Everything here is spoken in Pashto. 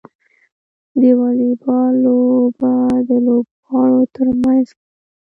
د واليبال لوبه د لوبغاړو ترمنځ کیږي.